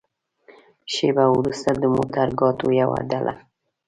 شېبه وروسته د موترګاټو يوه ډله.